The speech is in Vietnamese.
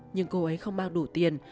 nhưng cô ấy không mang đủ tiền